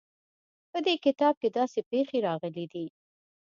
په دې کتاب کې داسې پېښې راغلې دي.